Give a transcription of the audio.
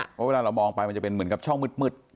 เพราะเวลาเรามองไปมันจะเป็นเหมือนกับช่องมืด